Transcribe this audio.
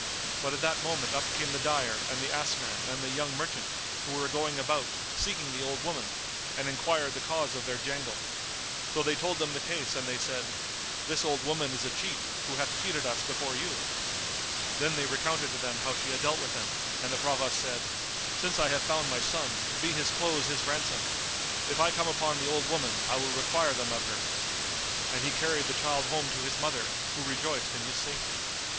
but at that moment up came the dyer and the ass man and the young merchant, who were going about, seeking the old woman, and enquired the cause of their jangle. So they told them the case and they said, "This old woman is a cheat, who hath cheated us before you." Then they recounted to them how she had dealt with them, and the Provost said, "Since I have found my son, be his clothes his ransom! If I come upon the old woman, I will require them of her." And he carried the child home to his mother, who rejoiced in his safety.